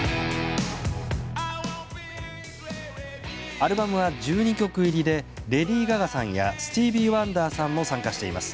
アルバムは１２曲入りでレディー・ガガさんやスティービー・ワンダーさんも参加しています。